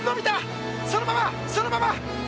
そのまま、そのまま！